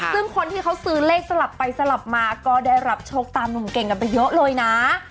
ซึ่งคนที่เขาซื้อเลขสลับไปสลับมาก็ได้รับโชคตามหนุ่มเก่งกันไปเยอะเลยนะ